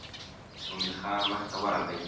مومن خان مخې ته ورغی.